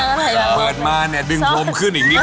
โลกเราเริ่มถามว่านี้เษิฟ